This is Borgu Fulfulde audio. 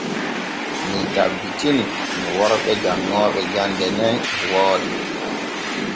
Mii tabbitini no worɓe janŋooɓe jande nen e wooɗi.